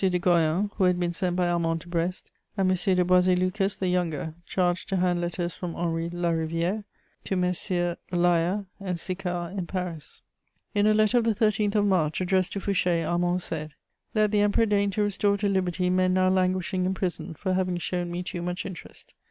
de Goyon, who had been sent by Armand to Brest, and M. de Boisé Lucas the Younger, charged to hand letters from Henry Larivière to Messieurs Laya and Sicard in Paris. In a letter of the 13th of March, addressed to Fouché, Armand said: "Let the Emperor deign to restore to liberty men now languishing in prison for having shown me too much interest.